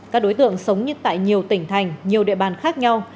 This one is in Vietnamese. các đối tượng sống tại nhiều tỉnh thành nhiều địa bàn khác nhau